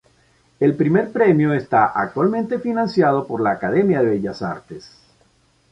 El primer premio está actualmente financiado por la Academia de Bellas Artes.